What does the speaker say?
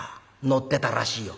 乗ってたらしいよ」。